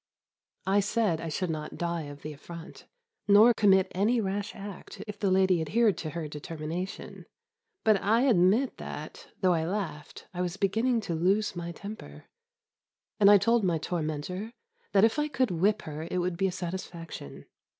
I said I should not die of the affront, nor commit any rash act if the lady adhered to her determination; but I admit that, though I laughed, I was beginning to lose my temper, and I told my tormentor that if I could whip her it would be a satisfaction!